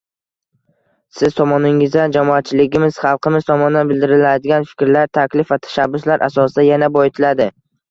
Siz tomoningizdan, jamoatchiligimiz, xalqimiz tomonidan bildiriladigan fikrlar, taklif va tashabbuslar asosida yanada boyitiladi.